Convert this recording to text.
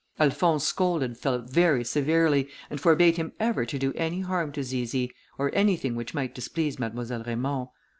Alphonse scolded Philip very severely, and forbade him ever to do any harm to Zizi, or anything which might displease Mademoiselle Raymond.